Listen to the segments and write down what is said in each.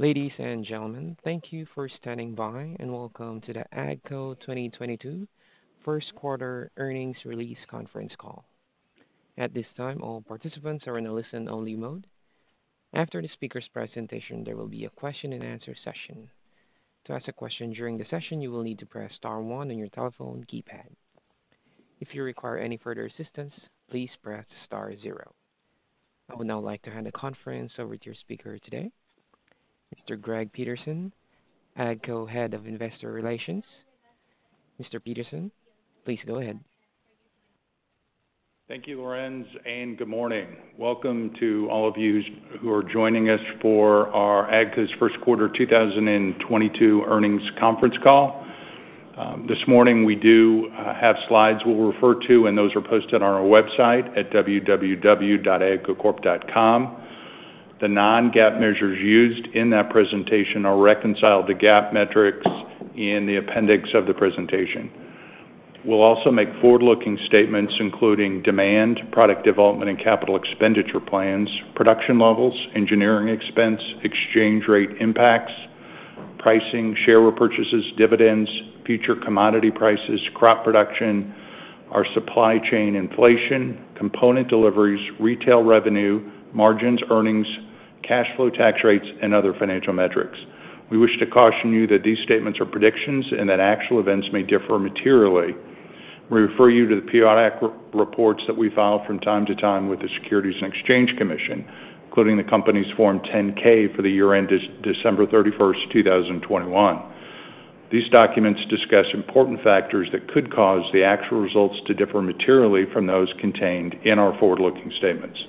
Ladies and gentlemen, thank you for standing by, and welcome to the AGCO 2022 Q1 Earnings Release Conference Call. At this time, all participants are in a listen-only mode. After the speaker's presentation, there will be a question-and-answer session. To ask a question during the session, you will need to press star one on your telephone keypad. If you require any further assistance, please press star zero. I would now like to hand the conference over to your speaker today, Mr. Greg Peterson, AGCO Head of Investor Relations. Mr. Peterson, please go ahead. Thank you, Lorenz, and good morning. Welcome to all of you who are joining us for our AGCO's Q1 2022 Earnings Conference Call. This morning we do have slides we'll refer to, and those are posted on our website at www.agcocorp.com. The non-GAAP measures used in that presentation are reconciled to GAAP metrics in the appendix of the presentation. We'll also make forward-looking statements including demand, product development, and capital expenditure plans, production levels, engineering expense, exchange rate impacts, pricing, share repurchases, dividends, future commodity prices, crop production, our supply chain inflation, component deliveries, retail revenue, margins, earnings, cash flow, tax rates, and other financial metrics. We wish to caution you that these statements are predictions and that actual events may differ materially. We refer you to the periodic reports that we file from time to time with the Securities and Exchange Commission, including the company's Form 10-K for the year-end 31 December 2021. These documents discuss important factors that could cause the actual results to differ materially from those contained in our forward-looking statements.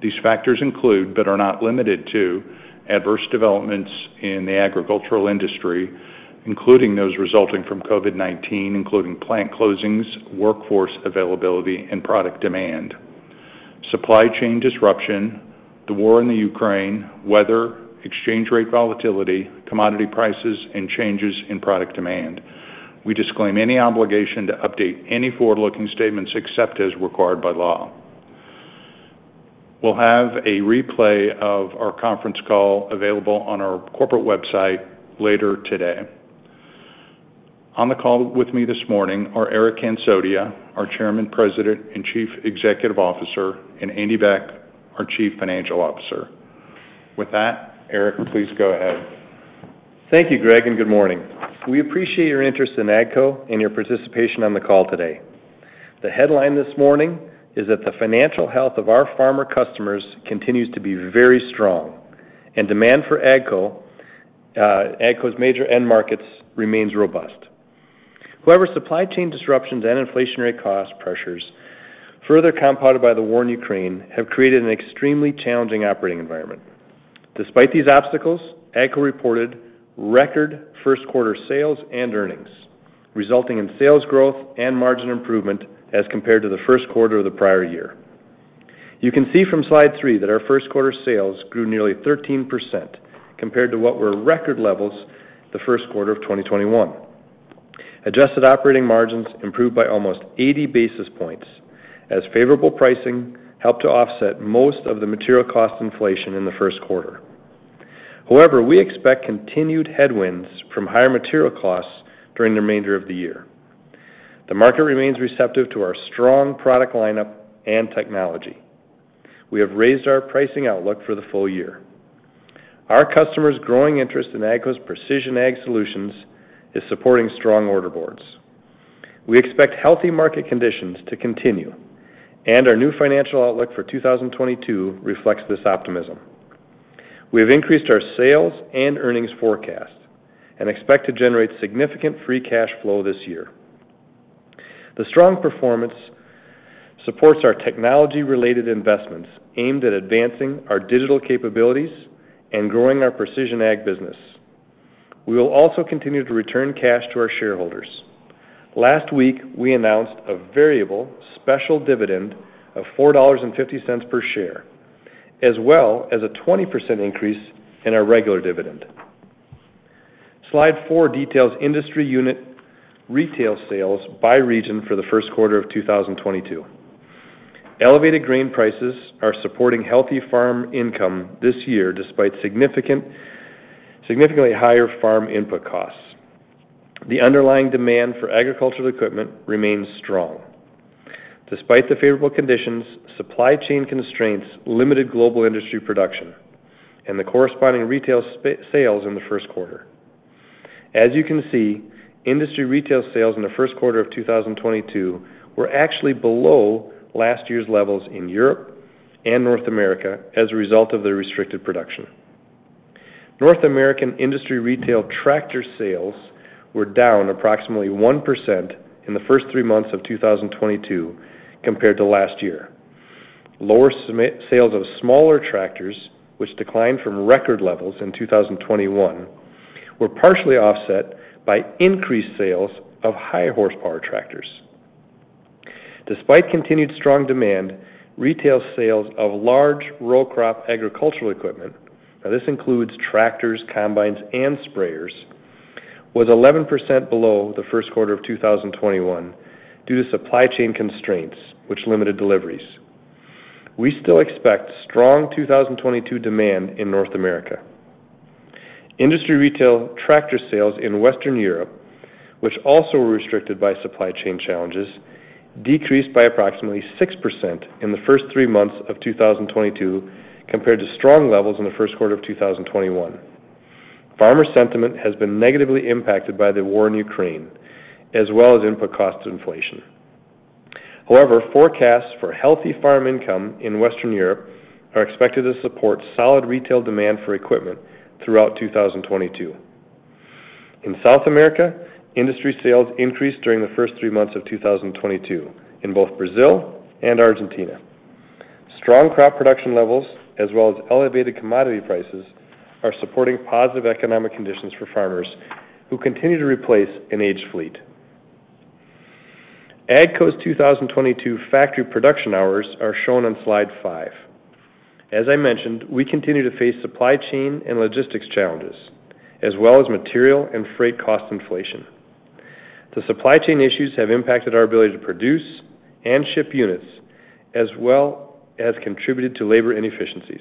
These factors include, but are not limited to, adverse developments in the agricultural industry, including those resulting from COVID-19, including plant closings, workforce availability, and product demand, supply chain disruption, the war in Ukraine, weather, exchange rate volatility, commodity prices, and changes in product demand. We disclaim any obligation to update any forward-looking statements except as required by law. We'll have a replay of our conference call available on our corporate website later today. On the call with me this morning are Eric Hansotia, our Chairman, President, and Chief Executive Officer, and Andy Beck, our Chief Financial Officer. With that, Eric, please go ahead. Thank you, Greg, and good morning. We appreciate your interest in AGCO and your participation on the call today. The headline this morning is that the financial health of our farmer customers continues to be very strong and demand for AGCO's major end markets remains robust. However, supply chain disruptions and inflationary cost pressures, further compounded by the war in Ukraine, have created an extremely challenging operating environment. Despite these obstacles, AGCO reported record Q1 sales and earnings, resulting in sales growth and margin improvement as compared to the Q1 of the prior year. You can see from slide three that our Q1 sales grew nearly 13% compared to what were record levels the Q1 of 2021. Adjusted operating margins improved by almost 80 basis points as favorable pricing helped to offset most of the material cost inflation in the Q1. However, we expect continued headwinds from higher material costs during the remainder of the year. The market remains receptive to our strong product lineup and technology. We have raised our pricing outlook for the full year. Our customers' growing interest in AGCO's precision ag solutions is supporting strong order boards. We expect healthy market conditions to continue, and our new financial outlook for 2022 reflects this optimism. We have increased our sales and earnings forecast and expect to generate significant free cash flow this year. The strong performance supports our technology-related investments aimed at advancing our digital capabilities and growing our precision ag business. We will also continue to return cash to our shareholders. Last week, we announced a variable special dividend of $4.50 per share, as well as a 20% increase in our regular dividend. Slide four details industry unit retail sales by region for the Q1 of 2022. Elevated grain prices are supporting healthy farm income this year despite significantly higher farm input costs. The underlying demand for agricultural equipment remains strong. Despite the favorable conditions, supply chain constraints limited global industry production and the corresponding retail sales in the Q1. As you can see, industry retail sales in the Q1 of 2022 were actually below last year's levels in Europe and North America as a result of the restricted production. North American industry retail tractor sales were down approximately 1% in the first three months of 2022 compared to last year. Lower sales of smaller tractors, which declined from record levels in 2021, were partially offset by increased sales of higher horsepower tractors. Despite continued strong demand, retail sales of large row crop agricultural equipment, now this includes tractors, combines, and sprayers, was 11% below the Q1 of 2021 due to supply chain constraints which limited deliveries. We still expect strong 2022 demand in North America. Industry retail tractor sales in Western Europe, which also were restricted by supply chain challenges, decreased by approximately 6% in the first three months of 2022 compared to strong levels in the Q1 of 2021. Farmer sentiment has been negatively impacted by the war in Ukraine, as well as input cost inflation. However, forecasts for healthy farm income in Western Europe are expected to support solid retail demand for equipment throughout 2022. In South America, industry sales increased during the first three months of 2022 in both Brazil and Argentina. Strong crop production levels as well as elevated commodity prices are supporting positive economic conditions for farmers who continue to replace an aged fleet. AGCO's 2022 factory production hours are shown on slide five. As I mentioned, we continue to face supply chain and logistics challenges as well as material and freight cost inflation. The supply chain issues have impacted our ability to produce and ship units as well as contributed to labor inefficiencies.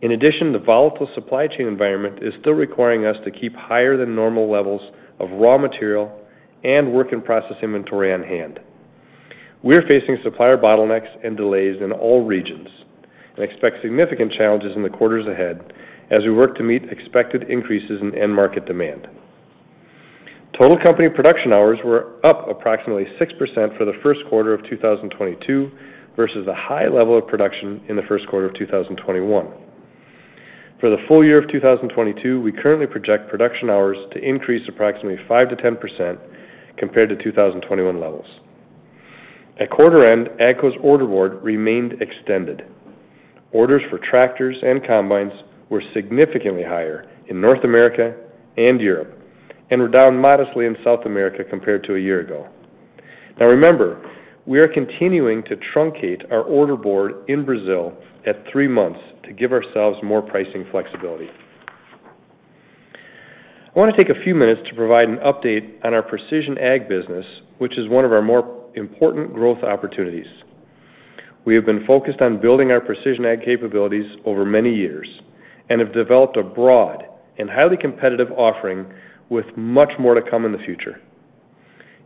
In addition, the volatile supply chain environment is still requiring us to keep higher than normal levels of raw material and work in process inventory on hand. We're facing supplier bottlenecks and delays in all regions and expect significant challenges in the quarters ahead as we work to meet expected increases in end market demand. Total company production hours were up approximately 6% for the Q1 of 2022 versus a high level of production in the Q1 of 2021. For the full year of 2022, we currently project production hours to increase approximately 5%-10% compared to 2021 levels. At quarter end, AGCO's order board remained extended. Orders for tractors and combines were significantly higher in North America and Europe and were down modestly in South America compared to a year ago. Now remember, we are continuing to truncate our order board in Brazil at three months to give ourselves more pricing flexibility. I want to take a few minutes to provide an update on our precision ag business, which is one of our more important growth opportunities. We have been focused on building our precision ag capabilities over many years and have developed a broad and highly competitive offering with much more to come in the future.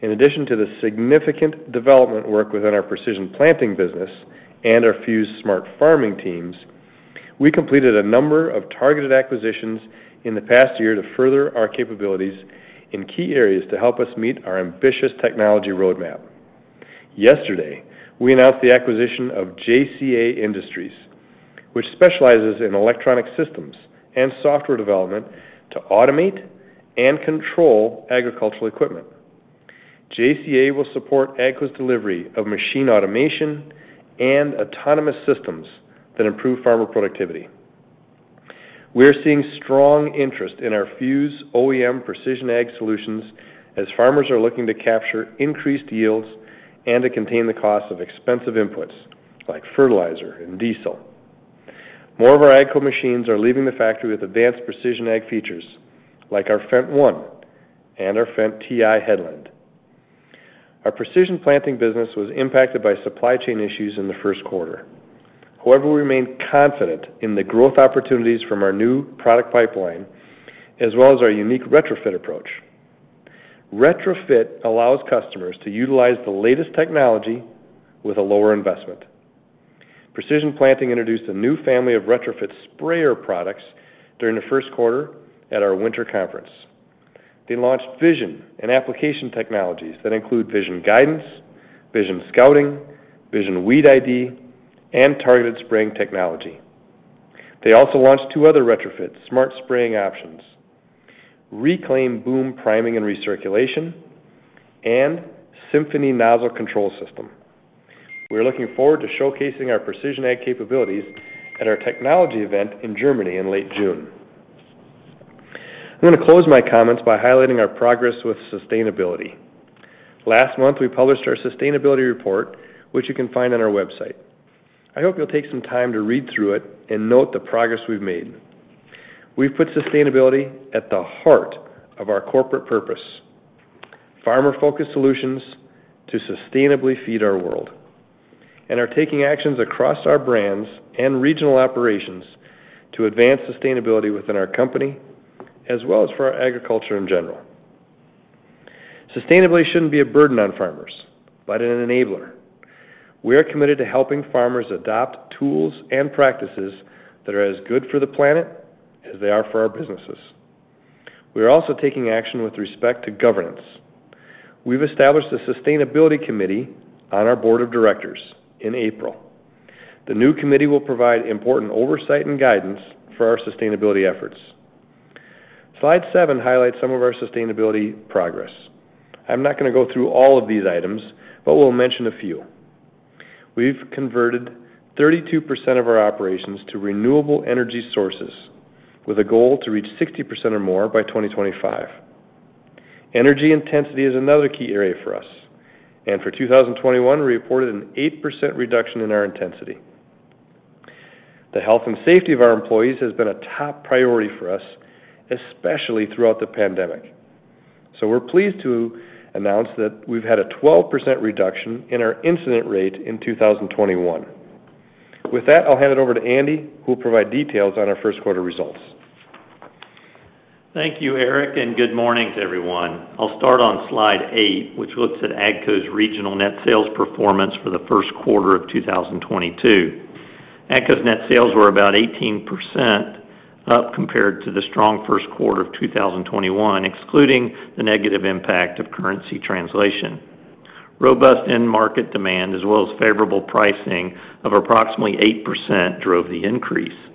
In addition to the significant development work within our Precision Planting business and our Fuse smart farming teams, we completed a number of targeted acquisitions in the past year to further our capabilities in key areas to help us meet our ambitious technology roadmap. Yesterday, we announced the acquisition of JCA Industries, which specializes in electronic systems and software development to automate and control agricultural equipment. JCA will support AGCO's delivery of machine automation and autonomous systems that improve farmer productivity. We're seeing strong interest in our Fuse OEM precision ag solutions as farmers are looking to capture increased yields and to contain the cost of expensive inputs like fertilizer and diesel. More of our AGCO machines are leaving the factory with advanced precision ag features like our FendtONE and our Fendt TI Headland. Our Precision Planting business was impacted by supply chain issues in the Q1. However, we remain confident in the growth opportunities from our new product pipeline as well as our unique retrofit approach. Retrofit allows customers to utilize the latest technology with a lower investment. Precision Planting introduced a new family of retrofit sprayer products during the Q1 at our winter conference. They launched vision and application technologies that include vision guidance, vision scouting, vision weed ID, and targeted spraying technology. They also launched two other retrofit smart spraying options, ReClaim boom priming and recirculation, and SymphonyNozzle control system. We're looking forward to showcasing our precision ag capabilities at our technology event in Germany in late June. I'm going to close my comments by highlighting our progress with sustainability. Last month, we published our sustainability report, which you can find on our website. I hope you'll take some time to read through it and note the progress we've made. We've put sustainability at the heart of our corporate purpose, farmer-focused solutions to sustainably feed our world, and are taking actions across our brands and regional operations to advance sustainability within our company as well as for our agriculture in general. Sustainability shouldn't be a burden on farmers, but an enabler. We are committed to helping farmers adopt tools and practices that are as good for the planet as they are for our businesses. We are also taking action with respect to governance. We've established a sustainability committee on our board of directors in April. The new committee will provide important oversight and guidance for our sustainability efforts. Slide seven highlights some of our sustainability progress. I'm not going to go through all of these items, but we'll mention a few. We've converted 32% of our operations to renewable energy sources with a goal to reach 60% or more by 2025. Energy intensity is another key area for us, and for 2021, we reported an 8% reduction in our intensity. The health and safety of our employees has been a top priority for us, especially throughout the pandemic. We're pleased to announce that we've had a 12% reduction in our incident rate in 2021. With that, I'll hand it over to Andy, who will provide details on our Q1 results. Thank you, Eric, and good morning to everyone. I'll start on slide eight, which looks at AGCO's regional net sales performance for the Q1 of 2022. AGCO's net sales were about 18% up compared to the strong Q1 of 2021, excluding the negative impact of currency translation. Robust end market demand as well as favorable pricing of approximately 8% drove the increase.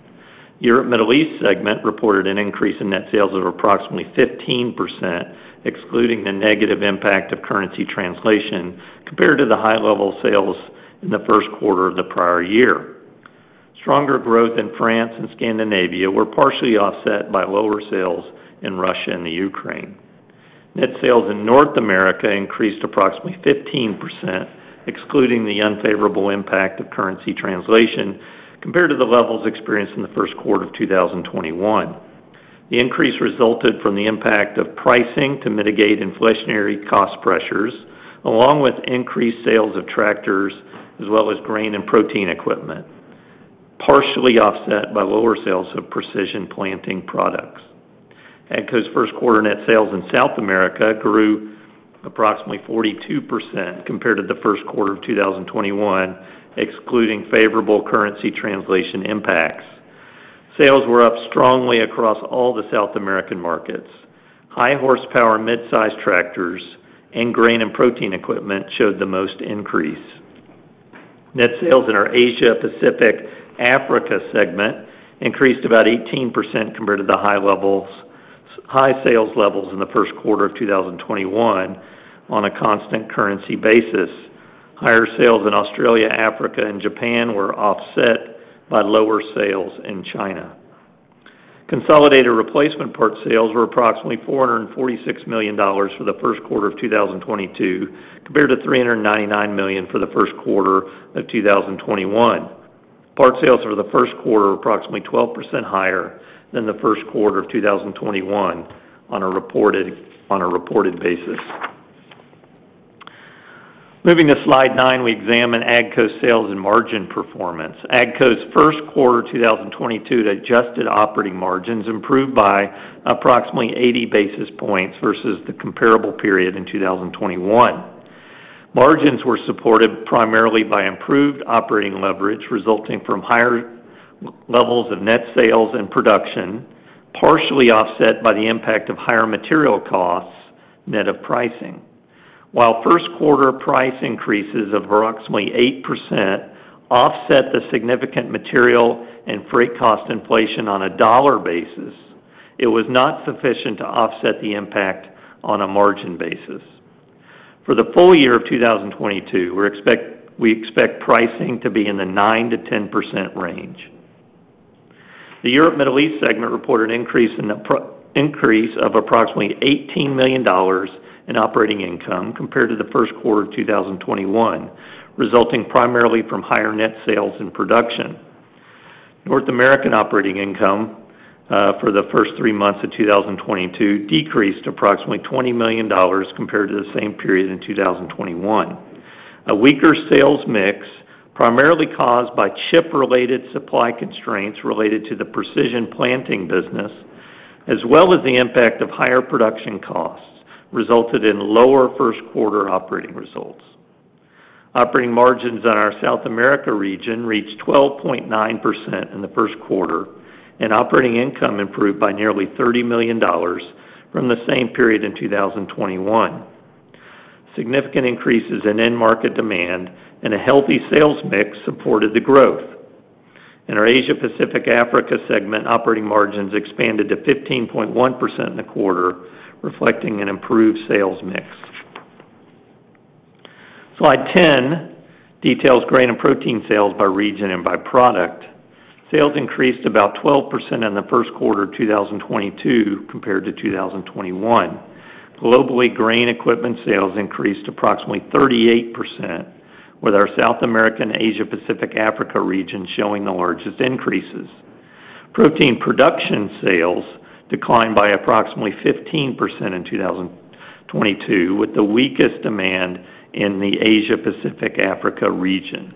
Europe & Middle East segment reported an increase in net sales of approximately 15%, excluding the negative impact of currency translation compared to the high-level sales in the Q1 of the prior year. Stronger growth in France and Scandinavia were partially offset by lower sales in Russia and the Ukraine. Net sales in North America increased approximately 15%, excluding the unfavorable impact of currency translation compared to the levels experienced in the Q1 of 2021. The increase resulted from the impact of pricing to mitigate inflationary cost pressures, along with increased sales of tractors as well as Grain & Protein equipment, partially offset by lower sales of Precision Planting products. AGCO's Q1 net sales in South America grew approximately 42% compared to the Q1 of 2021, excluding favorable currency translation impacts. Sales were up strongly across all the South American markets. High horsepower, mid-size tractors and Grain & Protein equipment showed the most increase. Net sales in our Asia Pacific Africa segment increased about 18% compared to the high sales levels in the Q1 of 2021 on a constant currency basis. Higher sales in Australia, Africa and Japan were offset by lower sales in China. Consolidated replacement parts sales were approximately $446 million for the Q1 of 2022, compared to $399 million for the Q1 of 2021. Part sales for the Q1 are approximately 12% higher than the Q1 of 2021 on a reported basis. Moving to slide nine, we examine AGCO's sales and margin performance. AGCO's Q1 2022 adjusted operating margins improved by approximately 80 basis points versus the comparable period in 2021. Margins were supported primarily by improved operating leverage, resulting from higher levels of net sales and production, partially offset by the impact of higher material costs net of pricing. While Q1 price increases of approximately 8% offset the significant material and freight cost inflation on a dollar basis, it was not sufficient to offset the impact on a margin basis. For the full year of 2022, we expect pricing to be in the 9%-10% range. The Europe Middle East segment reported increase of approximately $18 million in operating income compared to the Q1 of 2021, resulting primarily from higher net sales and production. North American operating income for the first three months of 2022 decreased approximately $20 million compared to the same period in 2021. A weaker sales mix, primarily caused by chip-related supply constraints related to the Precision Planting business, as well as the impact of higher production costs, resulted in lower Q1 operating results. Operating margins on our South America region reached 12.9% in the Q1, and operating income improved by nearly $30 million from the same period in 2021. Significant increases in end market demand and a healthy sales mix supported the growth. In our Asia Pacific Africa segment, operating margins expanded to 15.1% in the quarter, reflecting an improved sales mix. Slide 10 details Grain & Protein sales by region and by product. Sales increased about 12% in the Q1 of 2022 compared to 2021. Globally, grain equipment sales increased approximately 38%, with our South American Asia Pacific Africa region showing the largest increases. Protein production sales declined by approximately 15% in 2022, with the weakest demand in the Asia Pacific Africa region.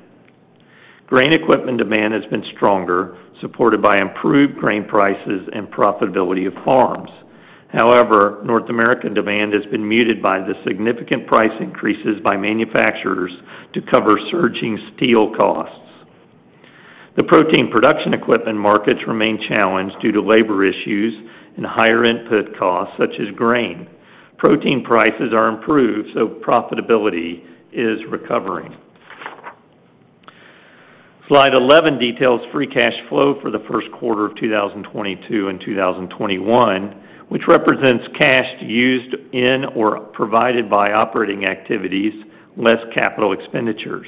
Grain equipment demand has been stronger, supported by improved grain prices and profitability of farms. However, North American demand has been muted by the significant price increases by manufacturers to cover surging steel costs. The protein production equipment markets remain challenged due to labor issues and higher input costs, such as grain. Protein prices are improved, so profitability is recovering. Slide 11 details free cash flow for the Q1 of 2022 and 2021, which represents cash used in or provided by operating activities, less capital expenditures.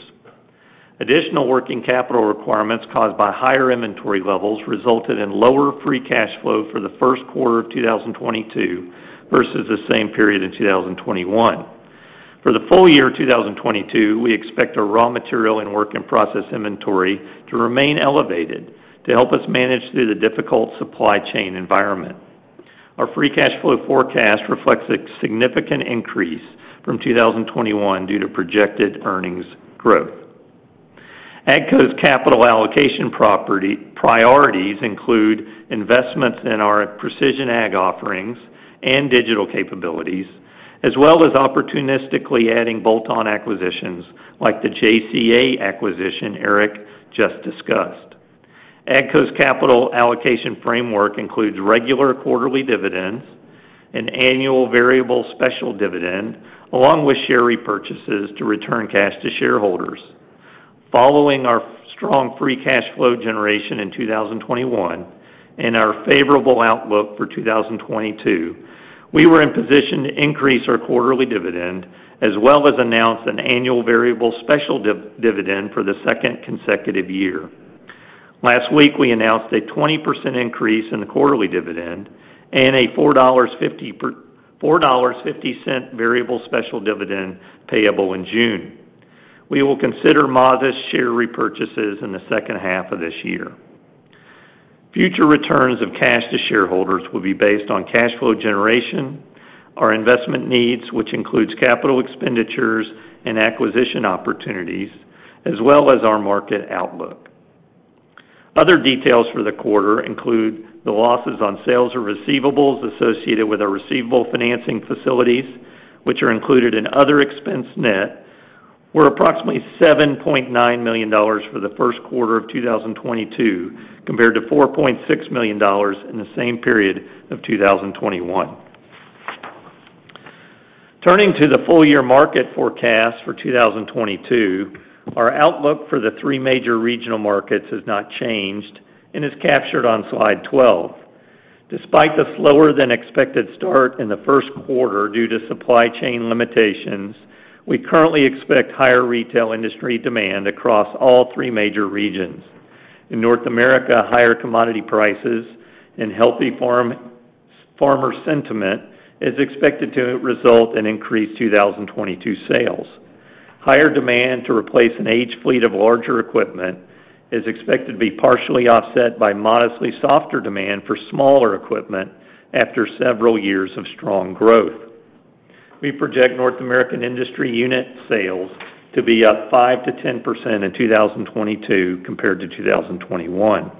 Additional working capital requirements caused by higher inventory levels resulted in lower free cash flow for the Q1 of 2022 versus the same period in 2021. For the full year 2022, we expect our raw material and work-in-process inventory to remain elevated to help us manage through the difficult supply chain environment. Our free cash flow forecast reflects a significant increase from 2021 due to projected earnings growth. AGCO's capital allocation priorities include investments in our precision ag offerings and digital capabilities, as well as opportunistically adding bolt-on acquisitions like the JCA acquisition Eric just discussed. AGCO's capital allocation framework includes regular quarterly dividends and annual variable special dividends, along with share repurchases to return cash to shareholders. Following our strong free cash flow generation in 2021 and our favorable outlook for 2022, we were in position to increase our quarterly dividend, as well as announce an annual variable special dividend for the second consecutive year. Last week, we announced a 20% increase in the quarterly dividend and a $4.50 variable special dividend payable in June. We will consider modest share repurchases in the second half of this year. Future returns of cash to shareholders will be based on cash flow generation, our investment needs, which includes capital expenditures and acquisition opportunities, as well as our market outlook. Other details for the quarter include the losses on sales or receivables associated with our receivable financing facilities, which are included in other expense net, were approximately $7.9 million for the Q1 of 2022 compared to $4.6 million in the same period of 2021. Turning to the full year market forecast for 2022, our outlook for the three major regional markets has not changed and is captured on slide 12. Despite the slower than expected start in the Q1 due to supply chain limitations, we currently expect higher retail industry demand across all three major regions. In North America, higher commodity prices and healthy farmer sentiment is expected to result in increased 2022 sales. Higher demand to replace an aged fleet of larger equipment is expected to be partially offset by modestly softer demand for smaller equipment after several years of strong growth. We project North American industry unit sales to be up 5%-10% in 2022 compared to 2021.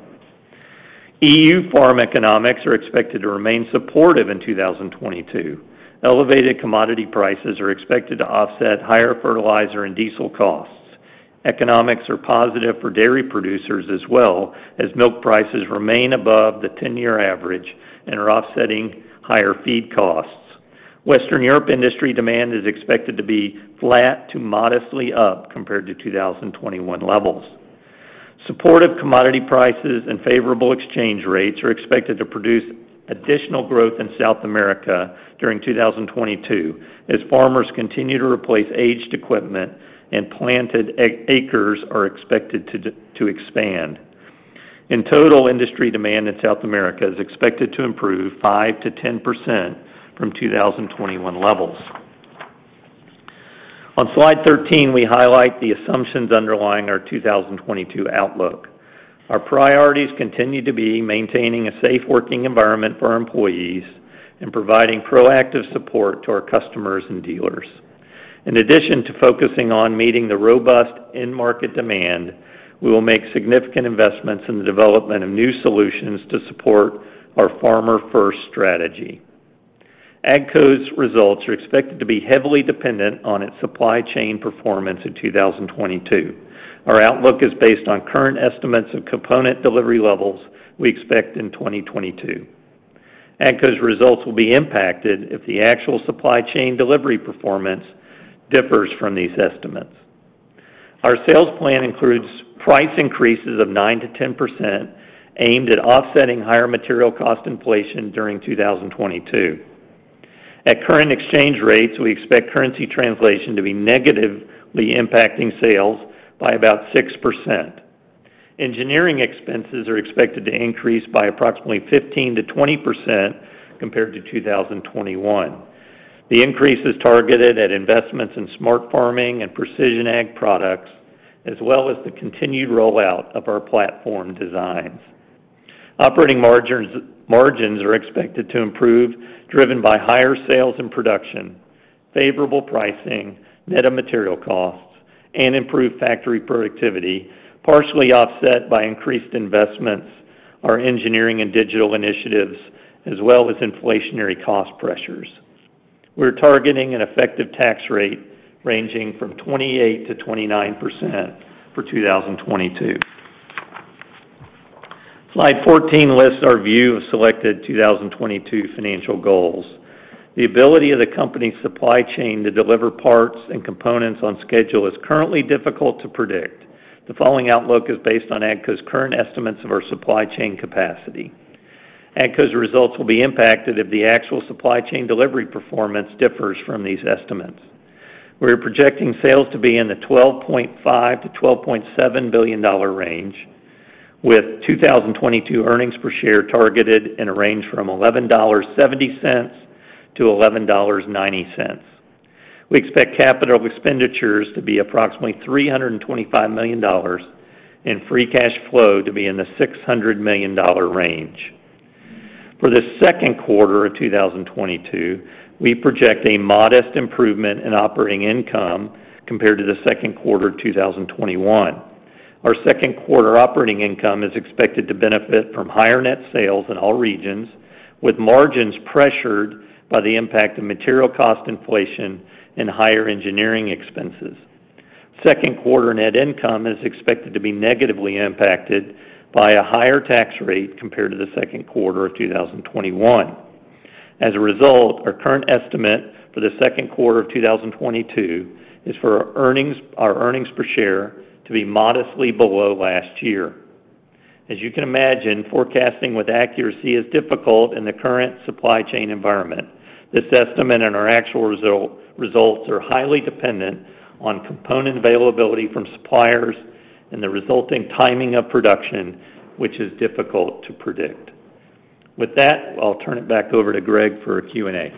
EU farm economics are expected to remain supportive in 2022. Elevated commodity prices are expected to offset higher fertilizer and diesel costs. Economics are positive for dairy producers as well as milk prices remain above the 10-year average and are offsetting higher feed costs. Western Europe industry demand is expected to be flat to modestly up compared to 2021 levels. Supportive commodity prices and favorable exchange rates are expected to produce additional growth in South America during 2022 as farmers continue to replace aged equipment and planted acres are expected to expand. In total, industry demand in South America is expected to improve 5%-10% from 2021 levels. On slide 13, we highlight the assumptions underlying our 2022 outlook. Our priorities continue to be maintaining a safe working environment for our employees and providing proactive support to our customers and dealers. In addition to focusing on meeting the robust end market demand, we will make significant investments in the development of new solutions to support our Farmer-First strategy. AGCO's results are expected to be heavily dependent on its supply chain performance in 2022. Our outlook is based on current estimates of component delivery levels we expect in 2022. AGCO's results will be impacted if the actual supply chain delivery performance differs from these estimates. Our sales plan includes price increases of 9%-10% aimed at offsetting higher material cost inflation during 2022. At current exchange rates, we expect currency translation to be negatively impacting sales by about 6%. Engineering expenses are expected to increase by approximately 15%-20% compared to 2021. The increase is targeted at investments in smart farming and precision ag products, as well as the continued rollout of our platform designs. Operating margins are expected to improve, driven by higher sales and production, favorable pricing, net of material costs, and improved factory productivity, partially offset by increased investments, our engineering and digital initiatives, as well as inflationary cost pressures. We're targeting an effective tax rate ranging from 28%-29% for 2022. Slide 14 lists our view of selected 2022 financial goals. The ability of the company's supply chain to deliver parts and components on schedule is currently difficult to predict. The following outlook is based on AGCO's current estimates of our supply chain capacity. AGCO's results will be impacted if the actual supply chain delivery performance differs from these estimates. We are projecting sales to be in the $12.5 billion-$12.7 billion range. With 2022 earnings per share targeted in a range from $11.70 to $11.90. We expect capital expenditures to be approximately $325 million and free cash flow to be in the $600 million range. For the Q2 of 2022, we project a modest improvement in operating income compared to the Q1 of 2021. Our Q2 operating income is expected to benefit from higher net sales in all regions, with margins pressured by the impact of material cost inflation and higher engineering expenses. Q2 net income is expected to be negatively impacted by a higher tax rate compared to the Q2 of 2021. As a result, our current estimate for the Q2 of 2022 is for our earnings per share to be modestly below last year. As you can imagine, forecasting with accuracy is difficult in the current supply chain environment. This estimate and our actual results are highly dependent on component availability from suppliers and the resulting timing of production, which is difficult to predict. With that, I'll turn it back over to Greg for Q&A.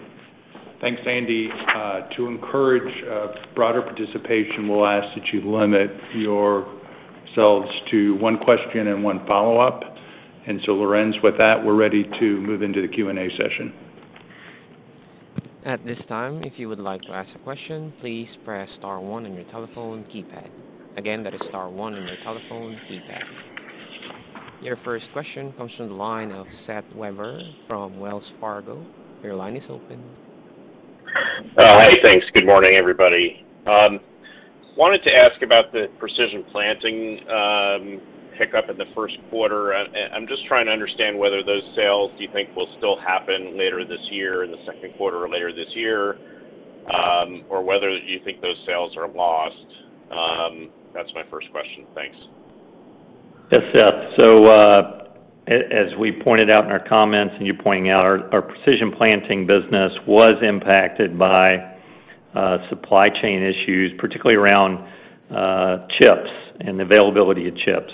Thanks, Andy. To encourage broader participation, we'll ask that you limit yourselves to one question and one follow-up. Lorenz, with that, we're ready to move into the Q&A session. At this time, if you would like to ask a question, please press star one on your telephone keypad. Again, that is star one on your telephone keypad. Your first question comes from the line of Seth Weber from Wells Fargo. Your line is open. Hi. Thanks. Good morning, everybody. Wanted to ask about the Precision Planting hiccup in the Q1. I'm just trying to understand whether those sales do you think will still happen later this year, in the Q2 or later this year, or whether you think those sales are lost. That's my first question. Thanks. Yes, Seth. As we pointed out in our comments and you're pointing out, our Precision Planting business was impacted by supply chain issues, particularly around chips and availability of chips.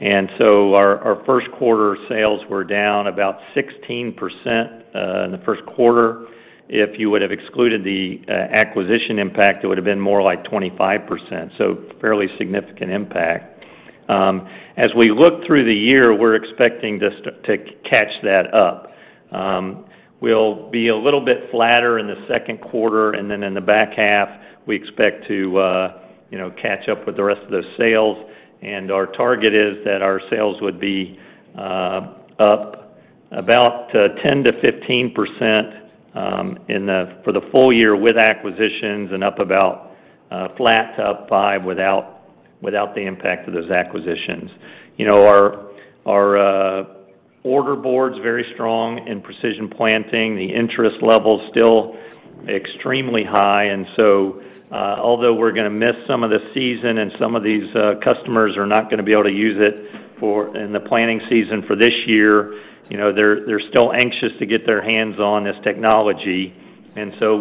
Our Q1 sales were down about 16% in the Q1. If you would have excluded the acquisition impact, it would have been more like 25%, so fairly significant impact. As we look through the year, we're expecting this to catch that up. We'll be a little bit flatter in the Q2, and then in the back half, we expect to you know catch up with the rest of those sales. Our target is that our sales would be up about 10%-15% for the full year with acquisitions and up about flat to up 5% without the impact of those acquisitions. You know, our order board's very strong in Precision Planting. The interest level is still extremely high. Although we're gonna miss some of the season and some of these customers are not gonna be able to use it in the planting season for this year, you know, they're still anxious to get their hands on this technology.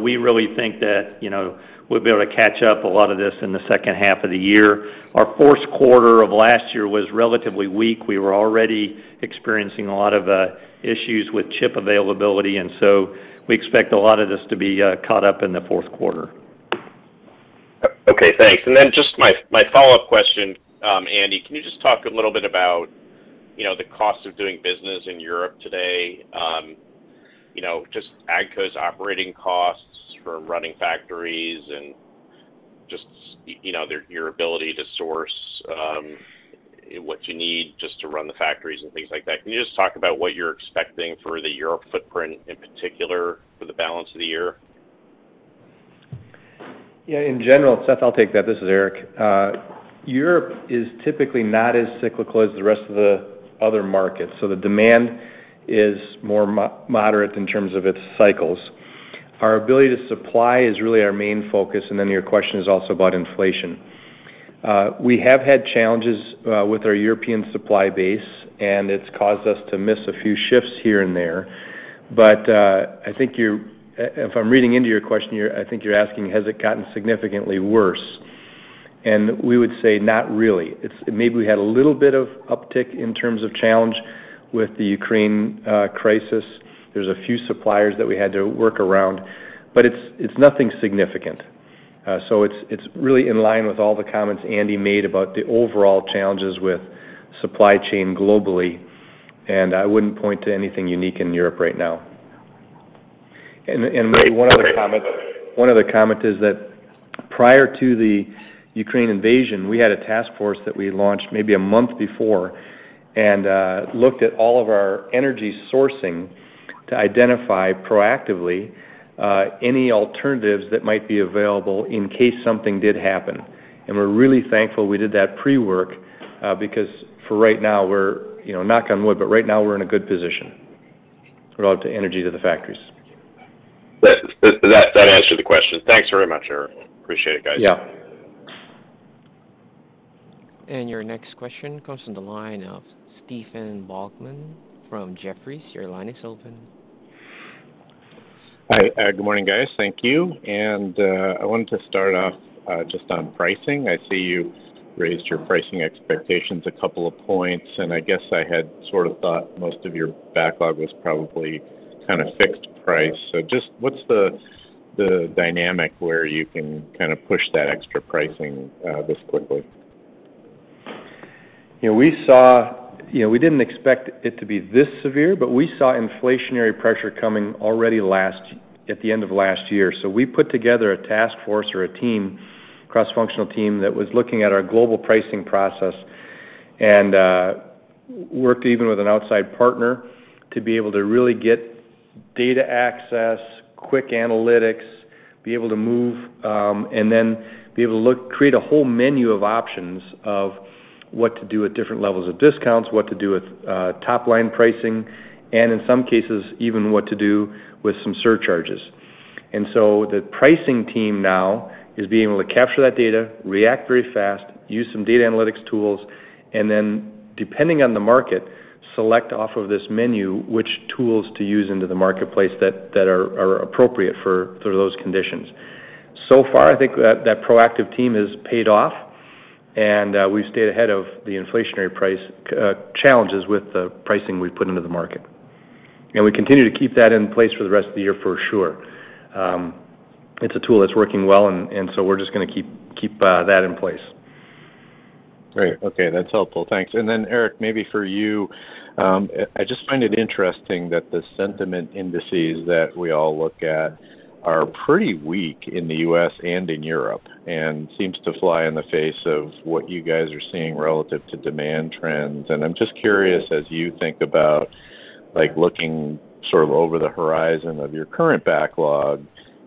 We really think that, you know, we'll be able to catch up a lot of this in the second half of the year. Our Q4 of last year was relatively weak. We were already experiencing a lot of issues with chip availability, and so we expect a lot of this to be caught up in the Q4. Okay, thanks. Just my follow-up question, Andy, can you just talk a little bit about, you know, the cost of doing business in Europe today? You know, just AGCO's operating costs for running factories and just, you know, your ability to source, what you need just to run the factories and things like that. Can you just talk about what you're expecting for the Europe footprint, in particular, for the balance of the year? Yeah, in general, Seth, I'll take that. This is Eric. Europe is typically not as cyclical as the rest of the other markets, so the demand is more moderate in terms of its cycles. Our ability to supply is really our main focus, and then your question is also about inflation. We have had challenges with our European supply base, and it's caused us to miss a few shifts here and there. I think if I'm reading into your question, you're asking, has it gotten significantly worse? We would say, not really. Maybe we had a little bit of uptick in terms of challenge with the Ukraine crisis. There're a few suppliers that we had to work around, but it's nothing significant. It's really in line with all the comments Andy made about the overall challenges with supply chain globally. I wouldn't point to anything unique in Europe right now. Maybe one other comment is that prior to the Ukraine invasion, we had a task force that we launched maybe a month before and looked at all of our energy sourcing to identify proactively any alternatives that might be available in case something did happen. We're really thankful we did that pre-work because for right now, we're, you know, knock on wood, but right now we're in a good position throughout the energy to the factories. That answered the question. Thanks very much, Eric. Appreciate it, guys. Yeah. Your next question comes from the line of Stephen Volkmann from Jefferies. Your line is open. Hi. Good morning, guys. Thank you. I wanted to start off just on pricing. I see you raised your pricing expectations a couple of points, and I guess I had sort of thought most of your backlog was probably kind of fixed price. Just what's the dynamic where you can kind of push that extra pricing this quickly? You know, we didn't expect it to be this severe, but we saw inflationary pressure coming already at the end of last year. We put together a task force or a team, cross-functional team, that was looking at our global pricing process and worked even with an outside partner to be able to really get data access, quick analytics, be able to move, and then be able to create a whole menu of options of what to do with different levels of discounts, what to do with top-line pricing, and in some cases, even what to do with some surcharges. The pricing team now is being able to capture that data, react very fast, use some data analytics tools, and then depending on the market, select off of this menu which tools to use into the marketplace that are appropriate for those conditions. So far, I think that proactive team has paid off, and we've stayed ahead of the inflationary price challenges with the pricing we've put into the market. We continue to keep that in place for the rest of the year for sure. It's a tool that's working well and so we're just gonna keep that in place. Great. Okay, that's helpful. Thanks. Eric, maybe for you, I just find it interesting that the sentiment indices that we all look at are pretty weak in the U.S. and in Europe and seems to fly in the face of what you guys are seeing relative to demand trends. I'm just curious, as you think about, like, looking sort of over the horizon of your current backlog,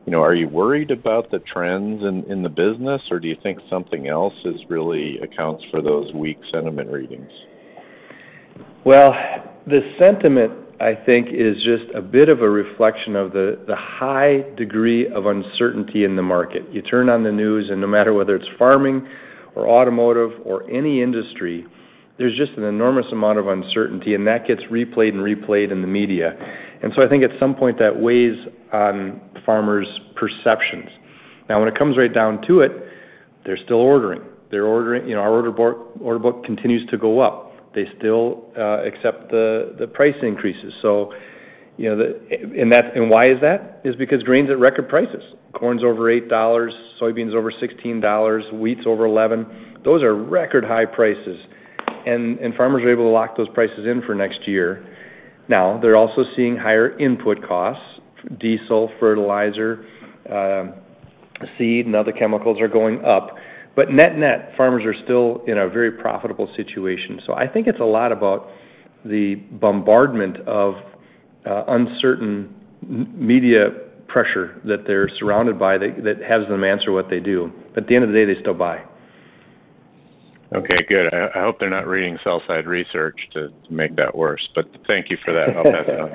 you know, are you worried about the trends in the business, or do you think something else really accounts for those weak sentiment readings? Well, the sentiment, I think, is just a bit of a reflection of the high degree of uncertainty in the market. You turn on the news, and no matter whether it's farming or automotive or any industry, there's just an enormous amount of uncertainty, and that gets replayed and replayed in the media. I think at some point, that weighs on farmers' perceptions. Now, when it comes right down to it, they're still ordering. They're ordering. You know, our order board, order book continues to go up. They still accept the price increases. So you know, why is that? Because grain's at record prices. Corn's over $8, soybean's over $16, wheat's over $11. Those are record high prices. Farmers are able to lock those prices in for next year. Now, they're also seeing higher input costs. Diesel, fertilizer, seed, and other chemicals are going up. Net-net, farmers are still in a very profitable situation. I think it's a lot about the bombardment of uncertain media pressure that they're surrounded by that has them answer what they do. At the end of the day, they still buy. Okay, good. I hope they're not reading sell-side research to make that worse, but thank you for that. I'll pass it on.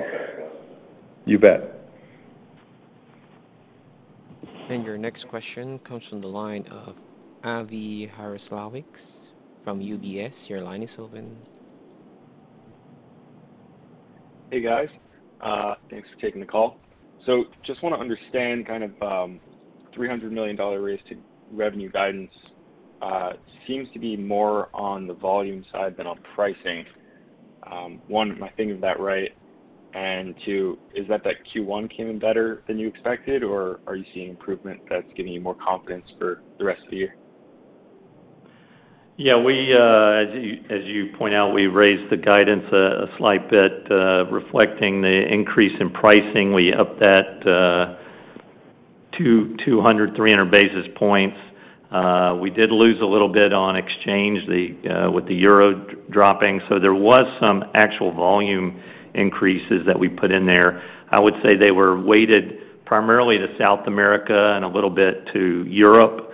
You bet. Your next question comes from the line of Kristen Owen from UBS. Your line is open. Hey, guys. Thanks for taking the call. Just wanna understand kind of, $300 million raise to revenue guidance seems to be more on the volume side than on pricing. One, am I thinking that right? And two, is that Q1 came in better than you expected, or are you seeing improvement that's giving you more confidence for the rest of the year? Yeah, as you point out, we raised the guidance a slight bit, reflecting the increase in pricing. We upped that 200-300 basis points. We did lose a little bit on exchange with the euro dropping, so there was some actual volume increases that we put in there. I would say they were weighted primarily to South America and a little bit to Europe,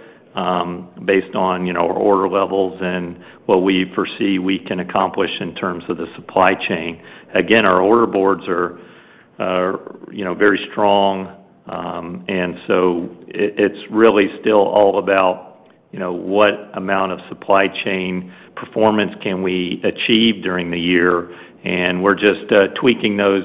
based on, you know, our order levels and what we foresee we can accomplish in terms of the supply chain. Again, our order boards are, you know, very strong. It's really still all about, you know, what amount of supply chain performance can we achieve during the year. We're just tweaking those,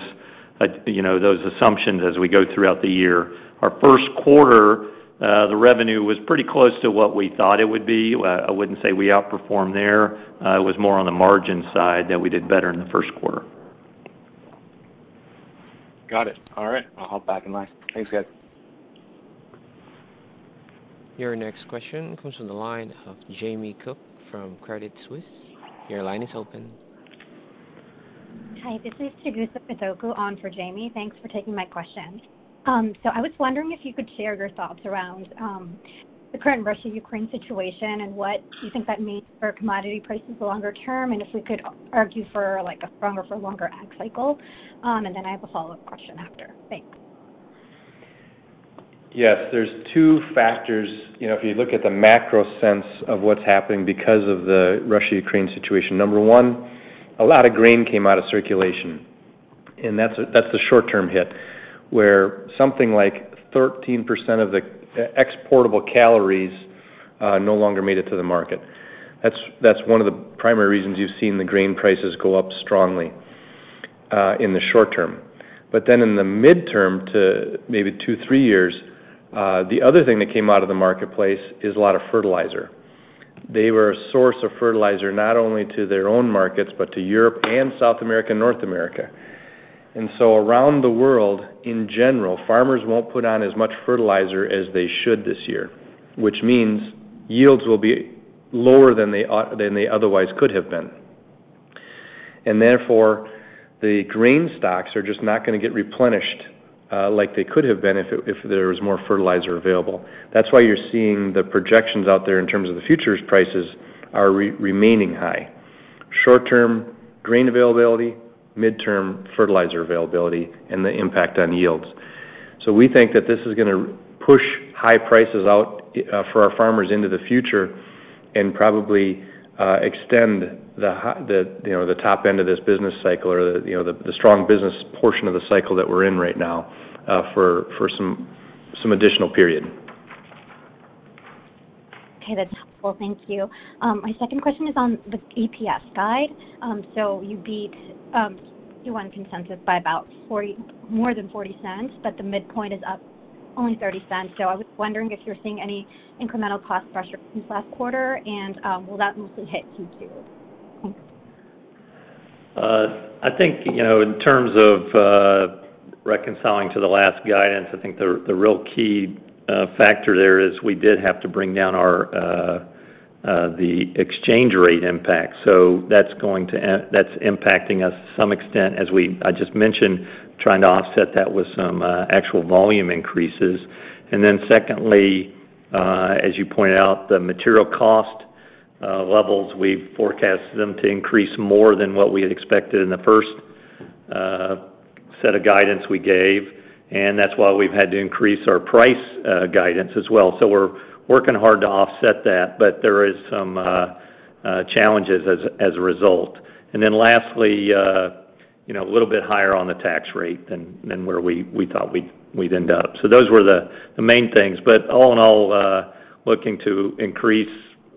you know, those assumptions as we go throughout the year. Our Q1, the revenue was pretty close to what we thought it would be. I wouldn't say we outperformed there. It was more on the margin side that we did better in the Q1. Got it. All right. I'll hop back in line. Thanks, guys. Your next question comes from the line of Jamie Cook from Credit Suisse. Your line is open. Hi, this is Chigusa Katoku on for Jamie. Thanks for taking my question. I was wondering if you could share your thoughts around the current Russia-Ukraine situation and what you think that means for commodity prices longer term, and if we could argue for, like, a stronger for longer ag cycle. I have a follow-up question after. Thanks. Yes. There's two factors. You know, if you look at the macro sense of what's happening because of the Russia-Ukraine situation. Number one, a lot of grain came out of circulation, and that's the short-term hit. Where something like 13% of the exportable calories. No longer made it to the market. That's one of the primary reasons you've seen the grain prices go up strongly in the short term. In the midterm to maybe two, three years, the other thing that came out of the marketplace is a lot of fertilizer. They were a source of fertilizer not only to their own markets, but to Europe and South America and North America. Around the world, in general, farmers won't put on as much fertilizer as they should this year, which means yields will be lower than they otherwise could have been. The grain stocks are just not gonna get replenished like they could have been if there was more fertilizer available. That's why you're seeing the projections out there in terms of the futures prices are remaining high. Short term, grain availability, midterm, fertilizer availability, and the impact on yields. We think that this is gonna push high prices out for our farmers into the future and probably extend the you know, the top end of this business cycle or, you know, the strong business portion of the cycle that we're in right now, for some additional period. Okay, that's helpful. Thank you. My second question is on the EPS guide. You beat Q1 consensus by more than $0.40, but the midpoint is up only $0.30. I was wondering if you're seeing any incremental cost pressure since last quarter, and will that mostly hit Q2? Thanks. I think, you know, in terms of reconciling to the last guidance, I think the real key factor there is we did have to bring down our the exchange rate impact. That's impacting us to some extent, I just mentioned, trying to offset that with some actual volume increases. Secondly, as you pointed out, the material cost levels, we've forecasted them to increase more than what we had expected in the first set of guidance we gave. That's why we've had to increase our price guidance as well. We're working hard to offset that, but there is some challenges as a result. Lastly, you know, a little bit higher on the tax rate than where we thought we'd end up. Those were the main things. All in all, looking to increase,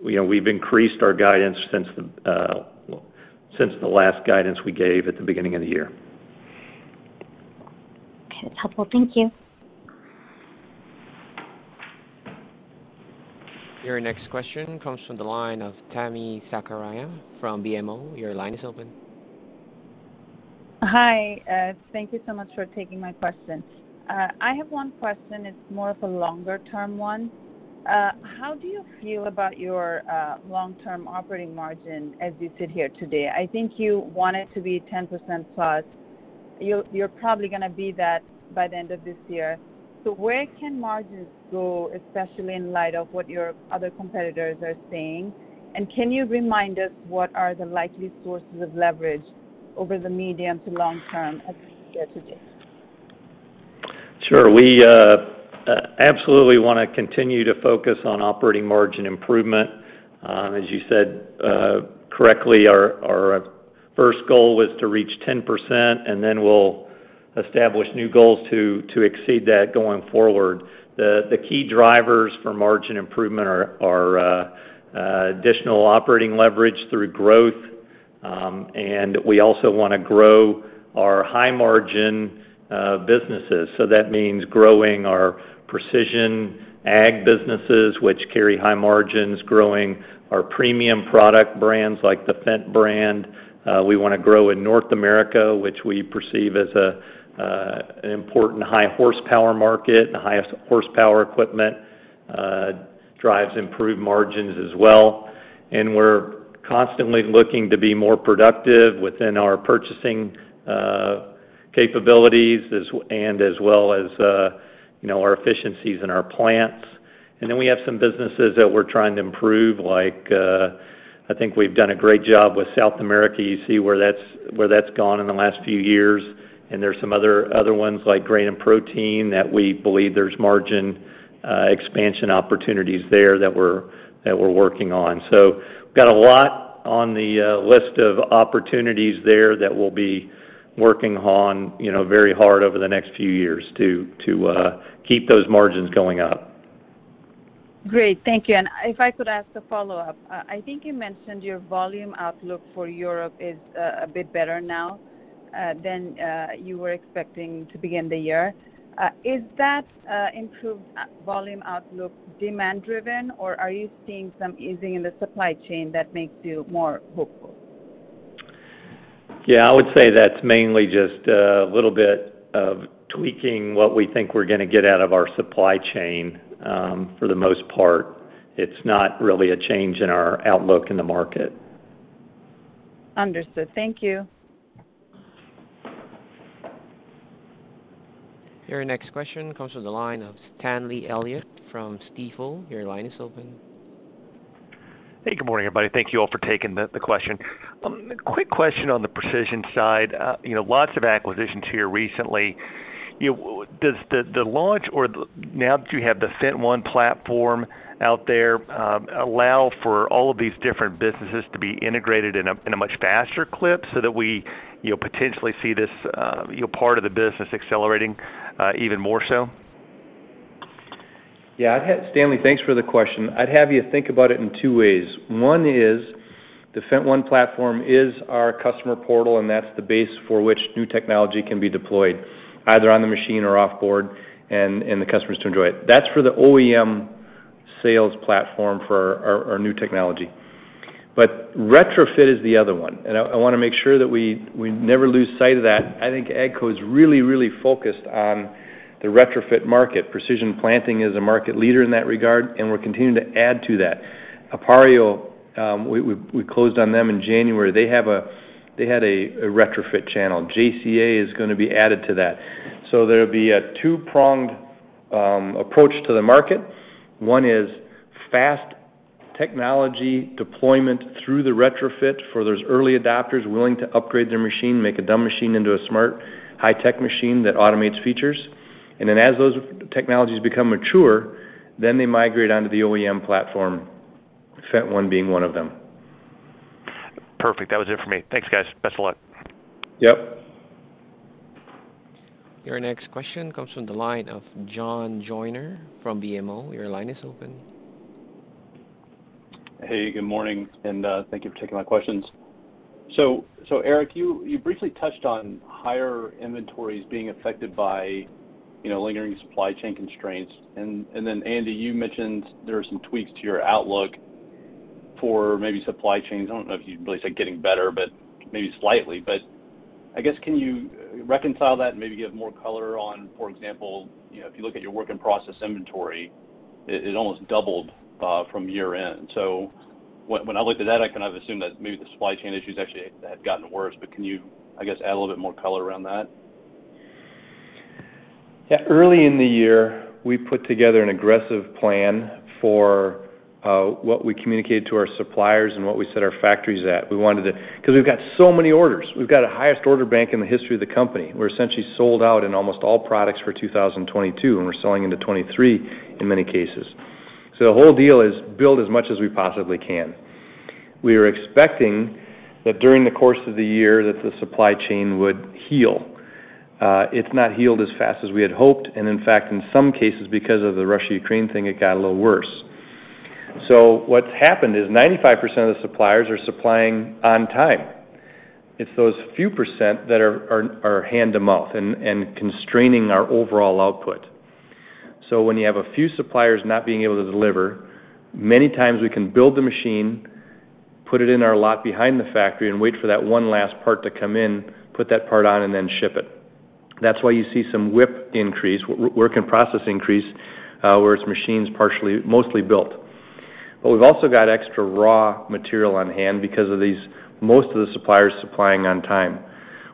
you know, we've increased our guidance since the last guidance we gave at the beginning of the year. Okay. That's helpful. Thank you. Your next question comes from the line of Tami Zakaria from BMO. Your line is open. Thank you so much for taking my question. I have one question. It's more of a longer term one. How do you feel about your long-term operating margin as you sit here today? I think you want it to be 10%+. You're probably gonna be that by the end of this year. Where can margins go, especially in light of what your other competitors are seeing? Can you remind us what are the likely sources of leverage over the medium to long term as we sit here today? Sure. We absolutely wanna continue to focus on operating margin improvement. As you said correctly, our first goal was to reach 10%, and then we'll establish new goals to exceed that going forward. The key drivers for margin improvement are additional operating leverage through growth, and we also wanna grow our high margin businesses. That means growing our precision ag businesses, which carry high margins, growing our premium product brands like the Fendt brand. We wanna grow in North America, which we perceive as an important high horsepower market. The highest horsepower equipment drives improved margins as well. We're constantly looking to be more productive within our purchasing capabilities and as well as you know, our efficiencies in our plants. We have some businesses that we're trying to improve, like, I think we've done a great job with South America. You see where that's gone in the last few years. There's some other ones like Grain & Protein that we believe there's margin expansion opportunities there that we're working on. Got a lot on the list of opportunities there that we'll be working on, you know, very hard over the next few years to keep those margins going up. Great. Thank you. If I could ask a follow-up. I think you mentioned your volume outlook for Europe is a bit better now than you were expecting to begin the year. Is that improved volume outlook demand driven, or are you seeing some easing in the supply chain that makes you more hopeful? Yeah, I would say that's mainly just a little bit of tweaking what we think we're gonna get out of our supply chain, for the most part. It's not really a change in our outlook in the market. Understood. Thank you. Your next question comes from the line of Stanley Elliott from Stifel. Your line is open. Hey, good morning, everybody. Thank you all for taking the question. Quick question on the precision side. You know, lots of acquisitions here recently. Does the launch now that you have the FendtONE platform out there allow for all of these different businesses to be integrated in a much faster clip so that we, you'll potentially see this, you know, part of the business accelerating even more so? Stanley, thanks for the question. I'd have you think about it in two ways. One is the FendtONE platform is our customer portal, and that's the base for which new technology can be deployed, either on the machine or off-board and the customers to enjoy it. That's for the OEM sales platform for our new technology. Retrofit is the other one, and I wanna make sure that we never lose sight of that. I think AGCO is really, really focused on the retrofit market. Precision Planting is a market leader in that regard, and we're continuing to add to that. Appareo, we closed on them in January. They had a retrofit channel. JCA is gonna be added to that. There'll be a two-pronged approach to the market. One is fast technology deployment through the retrofit for those early adopters willing to upgrade their machine, make a dumb machine into a smart, high-tech machine that automates features. As those technologies become mature, then they migrate onto the OEM platform, FendtONE being one of them. Perfect. That was it for me. Thanks, guys. Best of luck. Yep. Your next question comes from the line of John Joyner from BMO. Your line is open. Hey, good morning, and thank you for taking my questions. Eric, you briefly touched on higher inventories being affected by, you know, lingering supply chain constraints. Then Andy, you mentioned there are some tweaks to your outlook for maybe supply chains. I don't know if you'd really say getting better but maybe slightly. I guess, can you reconcile that and maybe give more color on, for example, you know, if you look at your work-in-process inventory, it almost doubled from year-end. When I look at that, I kind of assume that maybe the supply chain issues actually had gotten worse. Can you, I guess, add a little bit more color around that? Yeah. Early in the year, we put together an aggressive plan for what we communicated to our suppliers and what we set our factories at. We wanted 'Cause we've got so many orders. We've got a highest order bank in the history of the company. We're essentially sold out in almost all products for 2022, and we're selling into 2023 in many cases. The whole deal is build as much as we possibly can. We are expecting that during the course of the year that the supply chain would heal. It's not healed as fast as we had hoped, and in fact, in some cases, because of the Russia-Ukraine thing, it got a little worse. What's happened is 95% of the suppliers are supplying on time. It's those few percent that are hand-to-mouth and constraining our overall output. When you have a few suppliers not being able to deliver, many times we can build the machine, put it in our lot behind the factory and wait for that one last part to come in, put that part on, and then ship it. That's why you see some WIP increase, work in process increase, where it's machines mostly built. But we've also got extra raw material on-hand because most of the suppliers supplying on time.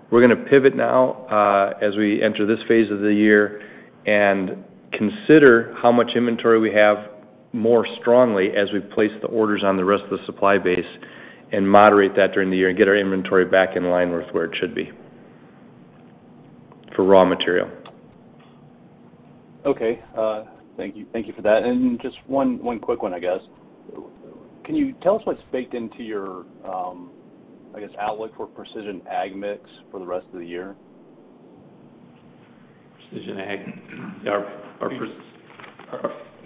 We're gonna pivot now, as we enter this phase of the year and consider how much inventory we have more strongly as we place the orders on the rest of the supply base and moderate that during the year and get our inventory back in line with where it should be for raw material. Okay. Thank you for that. Just one quick one, I guess. Can you tell us what's baked into your, I guess, outlook for precision ag mix for the rest of the year? precision ag. Our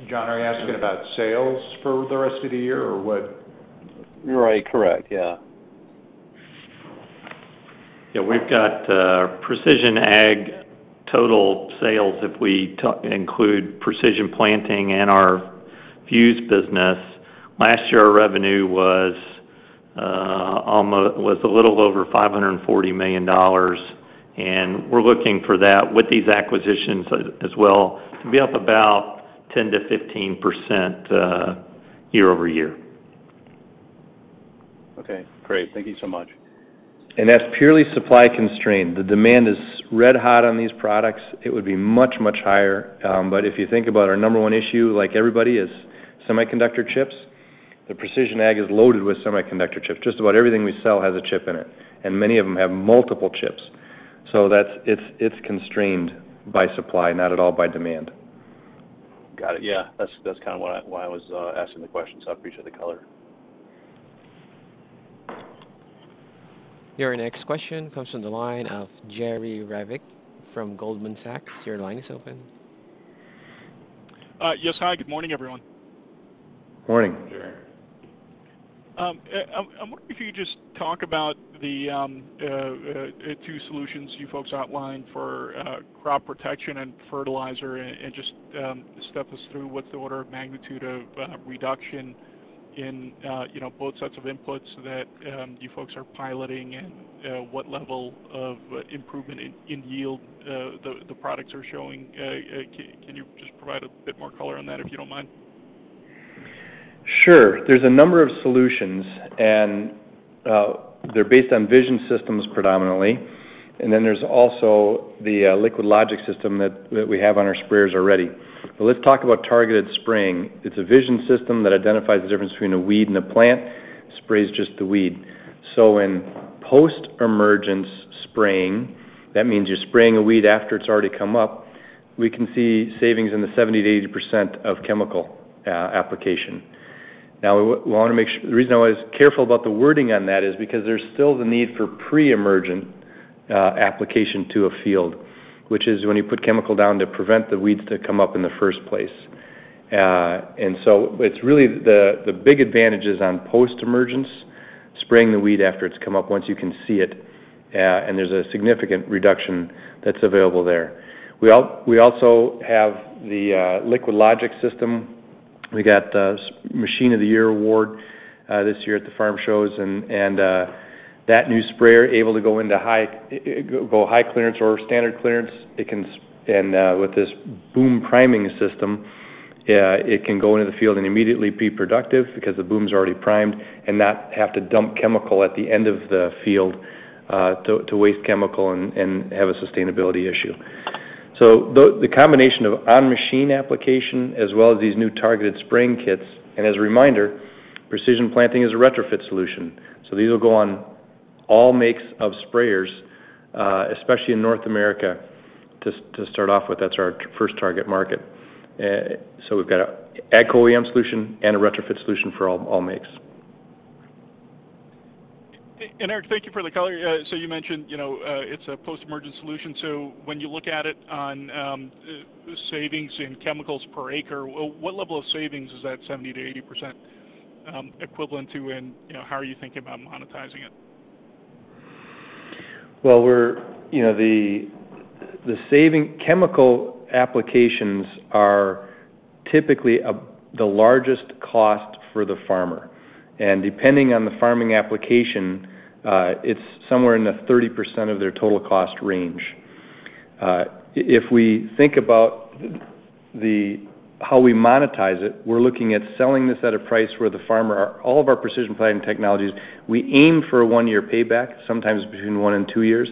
John, are you asking about sales for the rest of the year or what? Right. Correct. Yeah. Yeah, we've got precision ag total sales, if we include Precision Planting and our Fuse business. Last year, our revenue was a little over $540 million, and we're looking for that with these acquisitions as well to be up about 10%-15% year-over-year. Okay, great. Thank you so much. That's purely supply constraint. The demand is red-hot on these products. It would be much, much higher. If you think about our number one issue, like everybody, is semiconductor chips. The precision ag is loaded with semiconductor chips. Just about everything we sell has a chip in it, and many of them have multiple chips. That's it. It's constrained by supply, not at all by demand. Got it. Yeah. That's kinda why I was asking the question, so I appreciate the color. Your next question comes from the line of Jerry Revich from Goldman Sachs. Your line is open. Yes. Hi, good morning, everyone. Morning. Morning. I'm wondering if you could just talk about the two solutions you folks outlined for crop protection and fertilizer and just step us through what's the order of magnitude of reduction in you know both sets of inputs that you folks are piloting and what level of improvement in yield the products are showing. Can you just provide a bit more color on that, if you don't mind? Sure. There's a number of solutions, and they're based on vision systems predominantly. There's also the LiquidLogic system that we have on our sprayers already. Let's talk about targeted spraying. It's a vision system that identifies the difference between a weed and a plant, sprays just the weed. In post-emergence spraying, that means you're spraying a weed after it's already come up, we can see savings in the 70%-80% of chemical application. Now we want to make sure. The reason I was careful about the wording on that is because there's still the need for pre-emergent application to a field, which is when you put chemical down to prevent the weeds that come up in the first place. It's really the big advantage is on post-emergence, spraying the weed after it's come up once you can see it. There's a significant reduction that's available there. We also have the Liquid Logic system. We got the Machine of the Year award this year at the farm shows and that new sprayer able to go into high clearance or standard clearance. It can and with this boom priming system, it can go into the field and immediately be productive because the boom's already primed and not have to dump chemical at the end of the field to waste chemical and have a sustainability issue. The combination of on-machine application as well as these new targeted spraying kits. As a reminder, Precision Planting is a retrofit solution, so these will go on all makes of sprayers, especially in North America to start off with. That's our first target market. We've got an AG OEM solution and a retrofit solution for all makes. Eric, thank you for the color. You mentioned, you know, it's a post-emergent solution. When you look at it on savings in chemicals per acre, what level of savings is that 70%-80% equivalent to? You know, how are you thinking about monetizing it? The cost of chemical applications is typically the largest cost for the farmer. Depending on the farming application, it's somewhere in the 30% of their total cost range. If we think about how we monetize it, we're looking at selling this at a price where the farmer. All of our Precision Planting technologies, we aim for a one-year payback, sometimes between one and two years.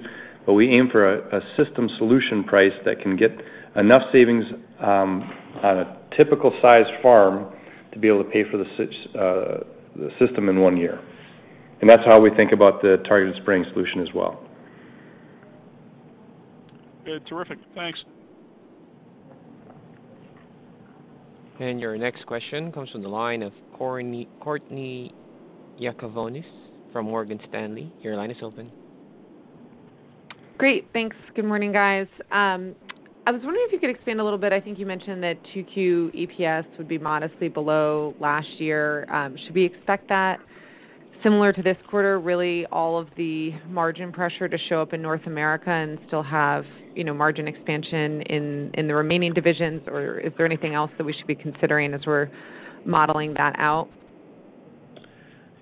We aim for a system solution price that can get enough savings on a typical sized farm to be able to pay for the system in one year. That's how we think about the targeted spraying solution as well. Yeah, terrific. Thanks. Your next question comes from the line of Courtney Yakavonis from Morgan Stanley. Your line is open. Great, thanks. Good morning, guys. I was wondering if you could expand a little bit. I think you mentioned that Q2 EPS would be modestly below last year. Should we expect that similar to this quarter, really all of the margin pressure to show up in North America and still have, you know, margin expansion in the remaining divisions? Or is there anything else that we should be considering as we're modeling that out?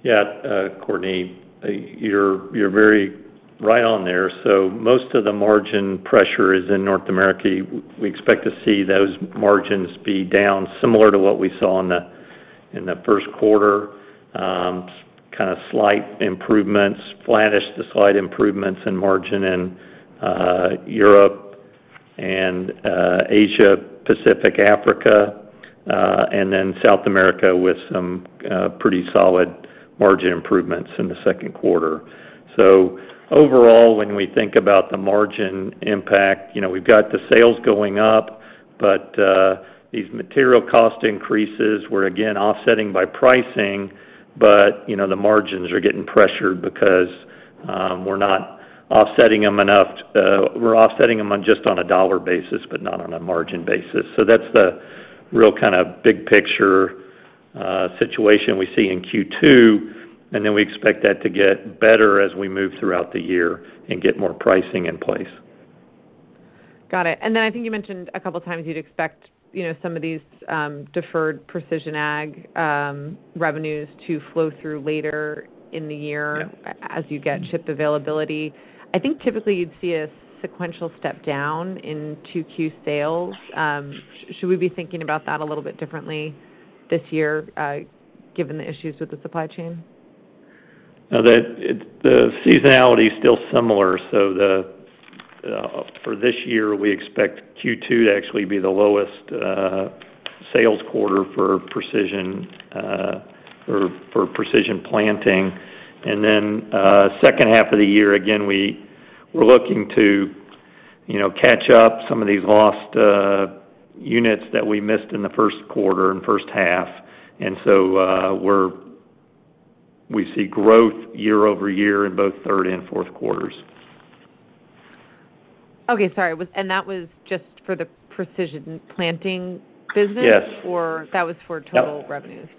Yeah, Courtney, you're very right on there. Most of the margin pressure is in North America. We expect to see those margins be down similar to what we saw in the Q1. Kind of slight improvements, flattish to slight improvements in margin in Europe and Asia/Pacific, Africa, and then South America with some pretty solid margin improvements in the Q2. Overall, when we think about the margin impact, you know, we've got the sales going up, but these material cost increases, we're again offsetting by pricing. But, you know, the margins are getting pressured because we're not offsetting them enough. We're offsetting them on just a dollar basis, but not on a margin basis. That's the real kind of big picture situation we see in Q2, and then we expect that to get better as we move throughout the year and get more pricing in place. Got it. I think you mentioned a couple times you'd expect, you know, some of these deferred precision ag revenues to flow through later in the year. Yeah. As you get chip availability. I think typically you'd see a sequential step down in 2Q sales. Should we be thinking about that a little bit differently this year, given the issues with the supply chain? No. The seasonality is still similar. For this year, we expect Q2 to actually be the lowest sales quarter for precision or for Precision Planting. Second half of the year, again, we're looking to, you know, catch up some of these lost units that we missed in the Q1 and first half. We see growth year-over-year in both Q3 and Q4. Okay, sorry. That was just for the Precision Planting business? Yes. that was for total revenues?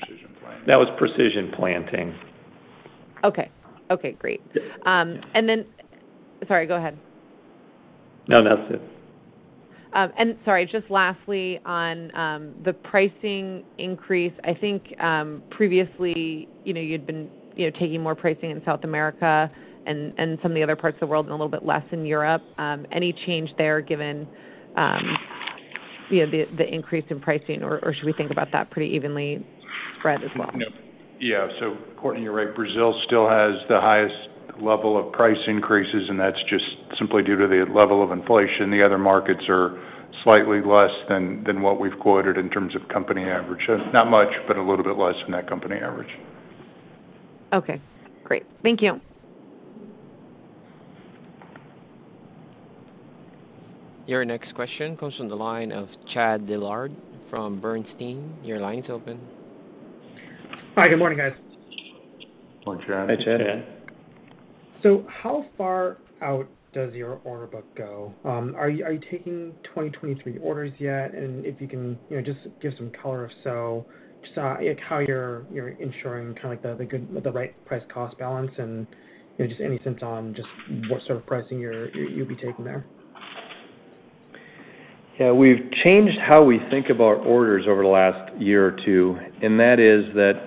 Precision Planting. That was Precision Planting. Okay. Okay, great. Sorry, go ahead. No, that's it. Sorry, just lastly on the pricing increase. I think previously, you know, you'd been, you know, taking more pricing in South America and some of the other parts of the world and a little bit less in Europe. Any change there given, you know, the increase in pricing? Or should we think about that pretty evenly spread as well? No. Yeah. Courtney, you're right. Brazil still has the highest level of price increases, and that's just simply due to the level of inflation. The other markets are slightly less than what we've quoted in terms of company average. Not much, but a little bit less than that company average. Okay, great. Thank you. Your next question comes from the line of Chad Dillard from Bernstein. Your line is open. Hi. Good morning, guys. Morning, Chad. How far out does your order book go? Are you taking 2023 orders yet? If you can, you know, just give some color if so, just like how you're ensuring kinda like the right price cost balance and, you know, just any sense on just what sort of pricing you'll be taking there. Yeah. We've changed how we think about orders over the last year or two, and that is that.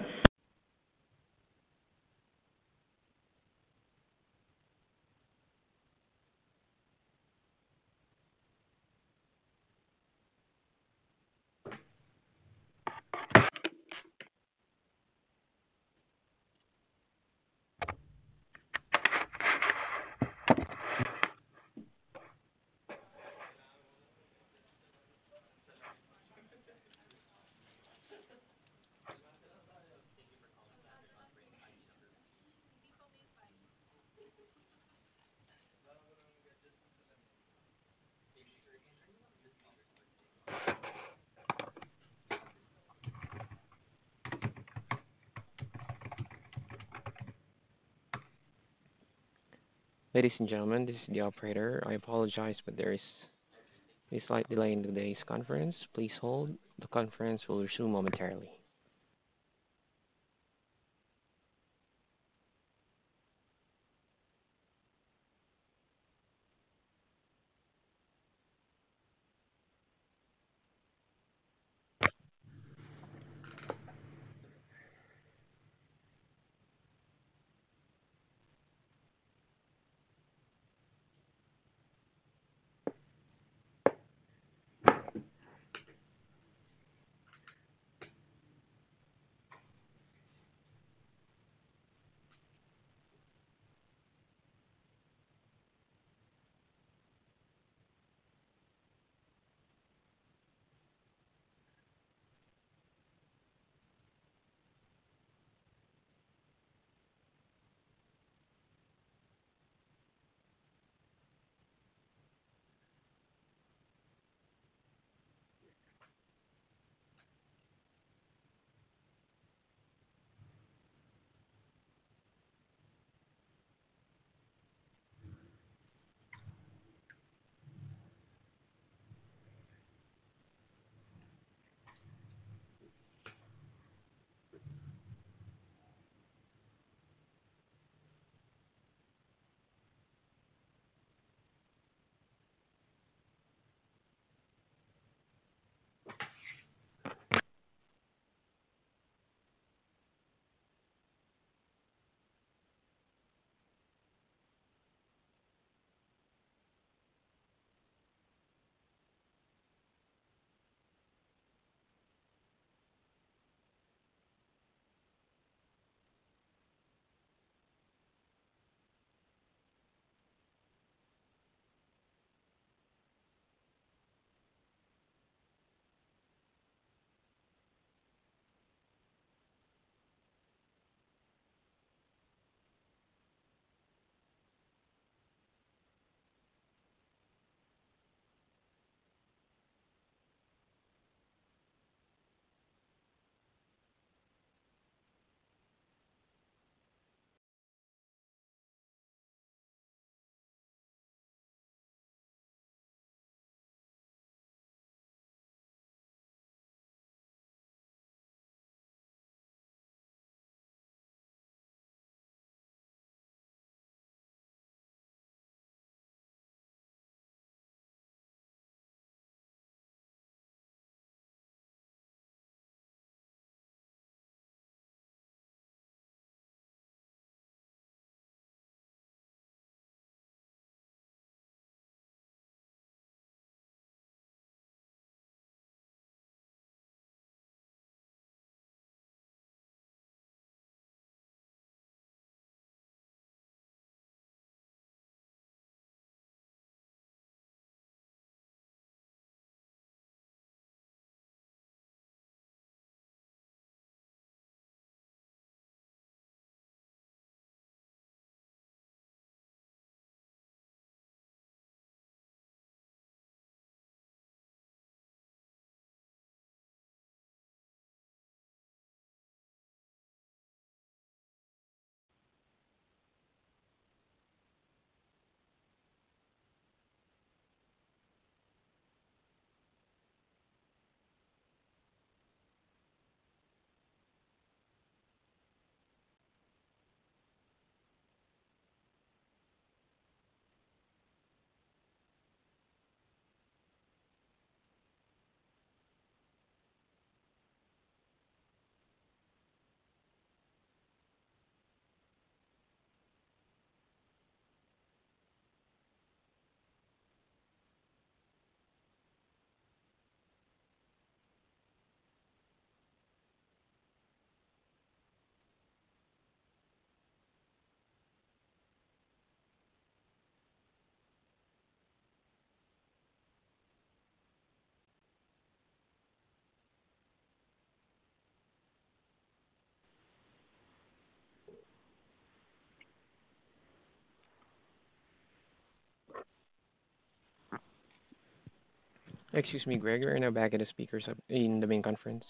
Excuse me, Greg. We're now back at the speakers up in the main conference.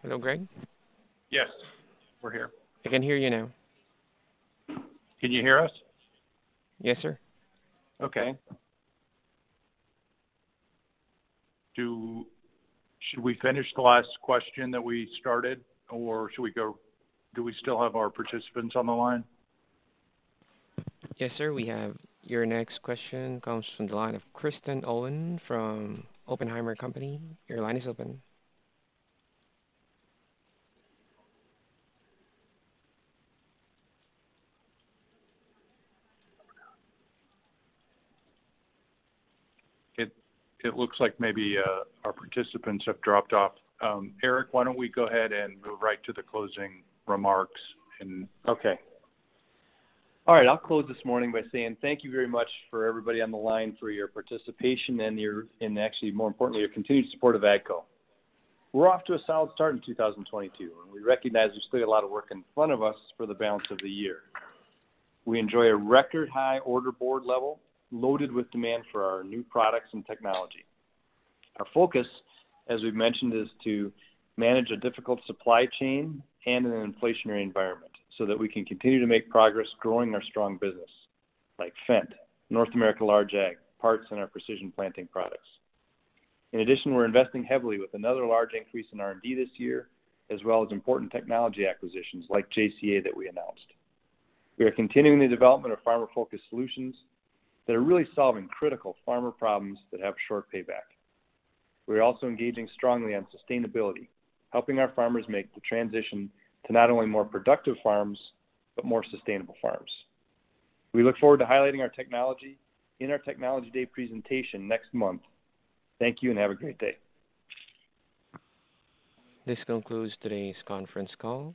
Hello, Greg? Yes, we're here. I can hear you now. Can you hear us? Yes, sir. Okay. Should we finish the last question that we started, or should we go? Do we still have our participants on the line? Yes, sir, we have. Your next question comes from the line of Kristen Owen from Oppenheimer & Co. Inc. Your line is open. It looks like maybe our participants have dropped off. Eric, why don't we go ahead and move right to the closing remarks and Okay. All right, I'll close this morning by saying thank you very much for everybody on the line for your participation and, actually, more importantly, your continued support of AGCO. We're off to a solid start in 2022, and we recognize there's still a lot of work in front of us for the balance of the year. We enjoy a record high order board level, loaded with demand for our new products and technology. Our focus, as we've mentioned, is to manage a difficult supply chain and in an inflationary environment so that we can continue to make progress growing our strong business, like Fendt, North America Large Ag, parts in our Precision Planting products. In addition, we're investing heavily with another large increase in R&D this year, as well as important technology acquisitions like JCA that we announced. We are continuing the development of farmer-focused solutions that are really solving critical farmer problems that have short payback. We're also engaging strongly on sustainability, helping our farmers make the transition to not only more productive farms, but more sustainable farms. We look forward to highlighting our technology in our Technology Day presentation next month. Thank you and have a great day. This concludes today's conference call.